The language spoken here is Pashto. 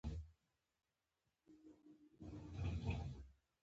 د رای ورکوونکو شمېر باید یو ځای پېښ شوي وای.